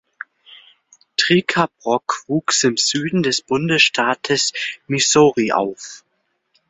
Tricia Brock wuchs im Süden des Bundesstaates Missouri auf.